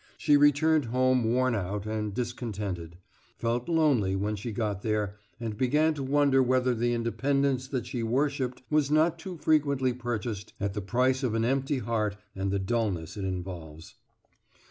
She returned home worn out, and discontented; felt lonely when she got there, and began to wonder whether the independence that she worshiped was not too frequently purchased at the price of an empty heart and the dullness it involves.